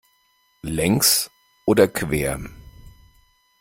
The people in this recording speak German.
Längs oder quer?